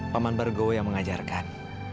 paman bargo yang mengajarkan